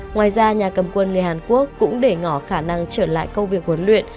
ngoài ra nhà cầm quân người hàn quốc cũng để ngỏ khả năng trở lại công việc huấn luyện